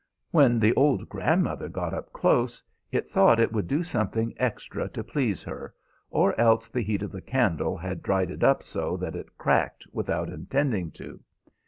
When the old grandmother got up close, it thought it would do something extra to please her; or else the heat of the candle had dried it up so that it cracked without intending to.